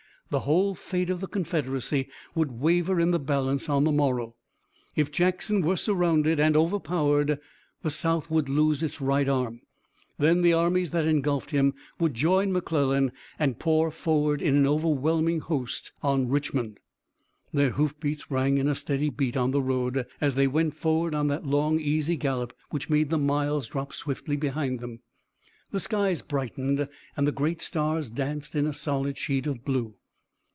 The whole fate of the Confederacy would waver in the balance on the morrow. If Jackson were surrounded and overpowered, the South would lose its right arm. Then the armies that engulfed him would join McClellan and pour forward in an overwhelming host on Richmond. Their hoofbeats rang in a steady beat on the road, as they went forward on that long easy gallop which made the miles drop swiftly behind them. The skies brightened, and the great stars danced in a solid sheet of blue.